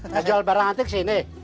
gak jual barang nanti kesini